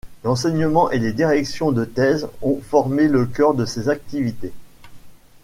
L’enseignement et les directions de thèses ont formé le cœur de ses activités.